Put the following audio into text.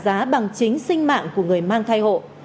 giá bằng chính sinh mạng của người mang thai hộ